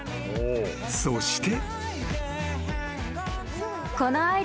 ［そして］